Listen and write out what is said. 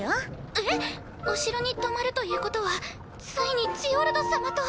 えっ！お城に泊まるということはついにジオルド様と。